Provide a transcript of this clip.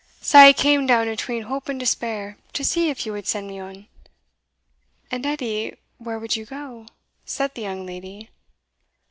Sae I came down atween hope and despair, to see if ye wad send me on." "And, Edie where would ye go?" said the young lady.